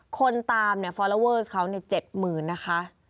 คนตามติดตามเขา๗๐๐๐๐นะคะ